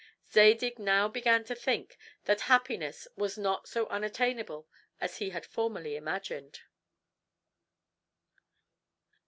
Zadig now began to think that happiness was not so unattainable as he had formerly imagined.